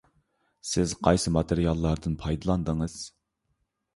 سىز قايسى ماتېرىياللاردىن پايدىلاندىڭىز؟